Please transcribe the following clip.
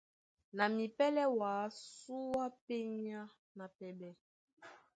Na mipɛ́lɛ́ wǎ súe á pényá na pɛɓɛ.